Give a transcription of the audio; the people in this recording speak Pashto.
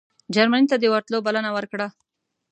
جرمني ته د ورتلو بلنه ورکړه.